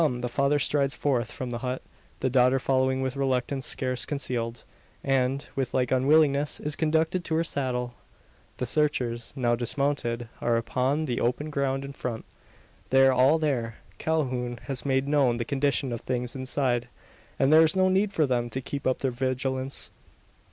The father strides forth from the hut, the daughter following with reluctance scarce concealed; and, with like unwillingness, is conducted to her saddle. The searchers, now dismounted, are upon the open ground in front. They are all there. Calhoun has made known the condition of things inside; and there is no need for them to keep up their vigilance.